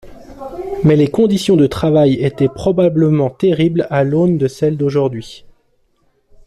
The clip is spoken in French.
Mais les conditions de travail étaient probablement terribles à l'aune de celles d'aujourd'hui.